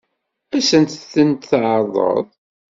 Ad sent-tent-tɛeṛḍeḍ?